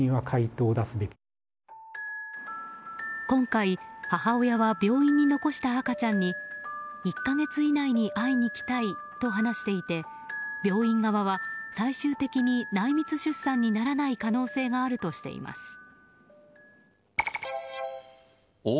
今回、母親は病院に残した赤ちゃんに１か月以内に会いに行きたいと話していて病院側は最終的に内密出産にならない可能性があるとしています。